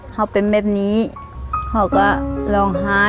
แม้เป็นแม็บนี้ก็หล่องไห้